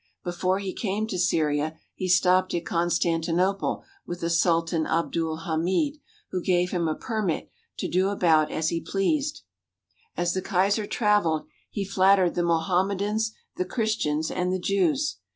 Before he came to Syria he stopped at Constantinople with the Sultan Abdul Hamid, who gave him a permit to do about as he 233 THE HOLY LAND AND SYRIA pleased. As the Kaiser travelled he flattered the Mo hammedans, the Christians, and the Jews.